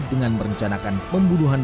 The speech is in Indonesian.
dengan merencanakan pembunuhan